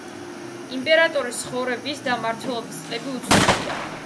იმპერატორის ცხოვრების და მმართველობის წლები უცნობია.